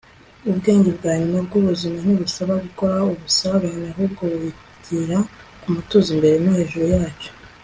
ubwenge bwa nyuma bwubuzima ntibusaba gukuraho ubusabane ahubwo bugera ku mutuzo imbere no hejuru yacyo